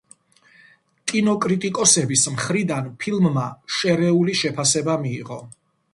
კინოკრიტიკოსების მხრიდან ფილმმა შერეული შეფასება მიიღო.